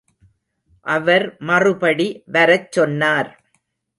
அவர் மறுபடி வரச் சொன்னார்.